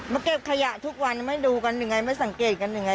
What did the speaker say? มาเก็บขยะทุกวันไม่ดูกันหรือไงไม่สังเกตกันหรือไง